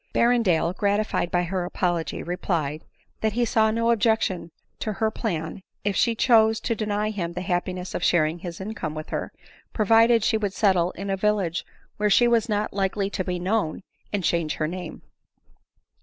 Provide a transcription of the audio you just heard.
Berrendale, gratified by her apology, replied, " that he saw no objection to her plan, if she chose to deny him the happiness of sharing his income with her, provided she would settle in a village where she was not likely to be known, and change her name.